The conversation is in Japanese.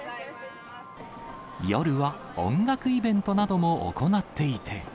夜は音楽イベントなども行っていて。